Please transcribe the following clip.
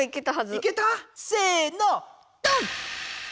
いけた？せのドン！